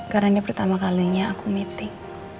karena ini pertama kalinya aku meeting